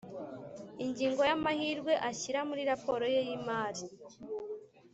Ingingo y’amahirwe ayishyira muri raporo ye y ‘imari